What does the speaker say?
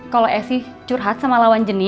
kalau esy curhat sama lawan jenis